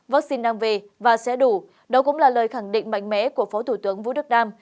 vaccine đang về và sẽ đủ đó cũng là lời khẳng định mạnh mẽ của phó thủ tướng vũ đức đam